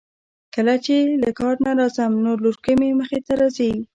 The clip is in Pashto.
کله چې له کار نه راځم نو لورکۍ مې مخې ته راځی.